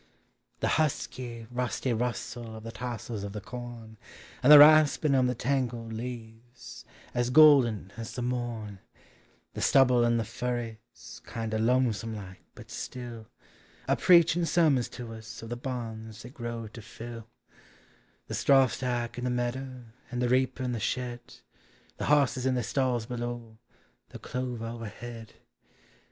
The husky, rusty nissel of the tossels of the corn, And the raspin' of the tangled leav< golden as the morn ; The stubble in Hie fumes kind./ lonesome like, bul siill A preachin' sermuns to us oi the barw thej growed to till ; 170 POEMS OF NATURE. The strawstack in the medder, and the reaper in the shed; The bosses in theyr stalls below — the clover over head